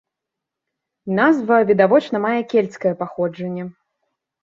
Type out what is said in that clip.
Назва, відавочна, мае кельцкае паходжанне.